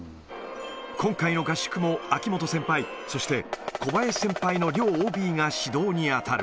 今回の合宿も、秋元先輩、そして小林先輩の両ＯＢが指導に当たる。